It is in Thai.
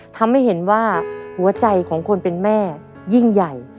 ทำให้เห็นว่าหัวใจของคนเป็นแม่ยิ่งใหญ่